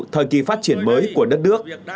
thời kỳ phát triển mới của đất nước